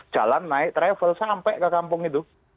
jalan naik travel sampai ke kampung itu